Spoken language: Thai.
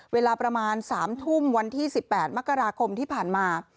เวลาประมาณ๓ทุ่มวันที่๑๘มกราคมที่ผ่านมา